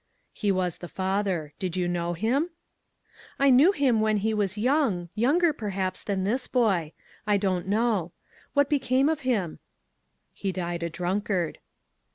"He was the father. Did you know him?" " I knew him when he was young, younger perhaps than this boy; I don't know. What became of him ?" "He died a drunkard."